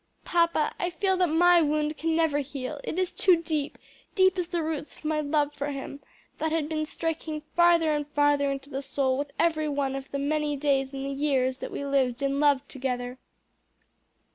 "Papa, I feel that my wound can never heal; it is too deep; deep as the roots of my love for him, that had been striking farther and farther into the soil with every one of the many days and years that we lived and loved together."